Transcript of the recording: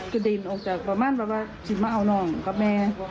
ก็เด็นออกจากฟังภาพว่าจะมาเอานองเซวมาร์